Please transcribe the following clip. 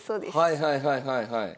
はいはいはいはいはい。